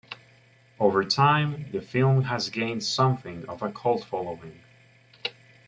Over time, the film has gained something of a cult following.